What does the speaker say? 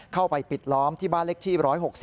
เข้าไปปิดล้อมที่บ้านเล็กที่๑๖๐